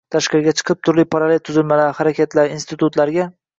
tashqariga chiqib, turli parallel tuzilmalar, harakatlar, institutlarga